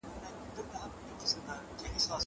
ستا وکاله ته په خندا ورځمه